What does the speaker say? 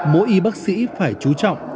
mỗi y bác sĩ phải chú trọng